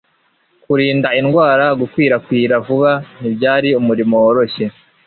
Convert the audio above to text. kurinda indwara gukwirakwira vuba ntibyari umurimo woroshye